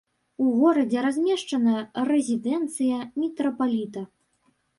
У горадзе размешчана рэзідэнцыя мітрапаліта.